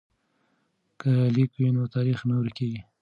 که لیک وي نو تاریخ نه ورکیږي.